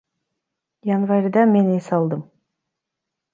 Январда мен эс алдым.